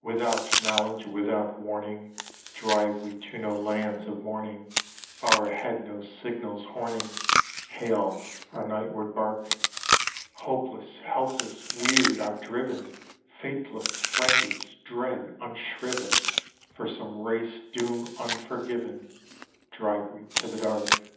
Without knowledge, without warning, Drive we to no lands of morning; Far ahead no signals horning Hail our nightward bark. Hopeless, helpless, weird, outdriven, Fateless, friendless, dread, unshriven, For some race doom unforgiven, Drive we to the dark.